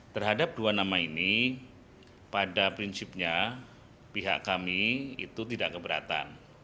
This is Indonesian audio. terhadap dua nama ini pada prinsipnya pihak kami itu tidak keberatan